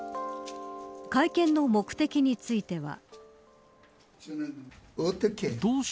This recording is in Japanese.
会見の目的については。